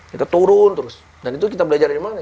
kita turun terus dan itu kita belajar dari mana